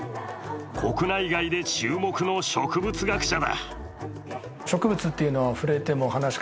国内外で注目の植物学者だ。